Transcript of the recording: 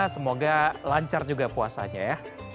semoga lancar juga puasanya ya